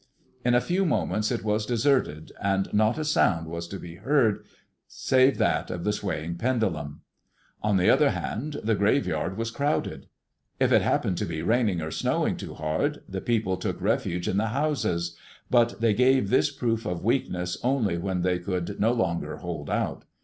In a few moments it was deserted, and not a sound was to be heard save that of the swaying pendulum. On the other hand, the graveyard was crowded. If it happened to be raining or snowing too hard, the people took refuge in the houses; but they gave this proof of weakness only when they could no longer hold out.